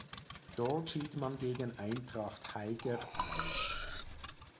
Dort schied man gegen Eintracht Haiger aus.